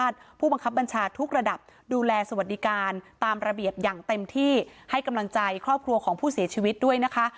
สวัสดีการตามระเบียบอย่างเต็มที่ให้กำลังใจครอบครัวของผู้เสียชีวิตด้วยนะคะ